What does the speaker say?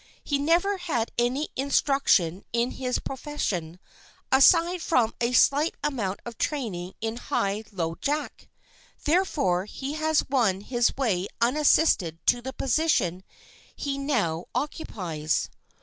He never had any instruction in his profession, aside from a slight amount of training in high low jack. Therefore he has won his way unassisted to the position he now occupies.